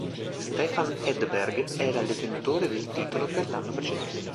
Stefan Edberg era il detentore del titolo per l'anno precedente.